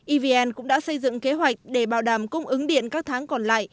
evn cũng đã xây dựng kế hoạch để bảo đảm cung ứng điện các tháng còn lại